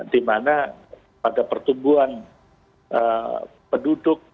dimana pada pertumbuhan penduduk